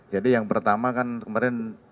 jadi yang pertama kan kemarin